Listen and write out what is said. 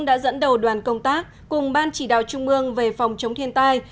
đã dẫn đầu đoàn công tác cùng ban chỉ đạo trung ương về phòng chống thiên tai